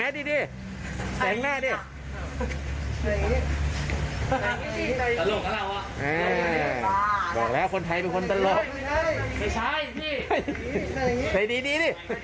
ดูช่ายดิพี่